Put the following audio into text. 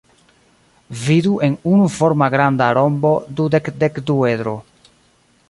Vidu en unuforma granda rombo-dudek-dekduedro.